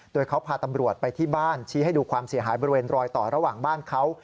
โดยเขาพาตำรวจไปที่บ้านชี้ให้ดูความเสียหายบริเวณรอยต่อระหว่างบ้านเขา